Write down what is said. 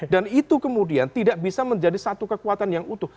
dan itu kemudian tidak bisa menjadi satu kekuatan yang utuh